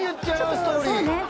ストーリー